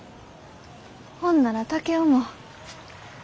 ほんなら竹雄も。